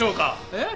えっ？